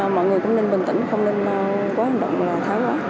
mọi người cũng nên bình tĩnh không nên quá hành động thái quá